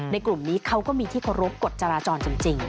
กลุ่มนี้เขาก็มีที่เคารพกฎจราจรจริง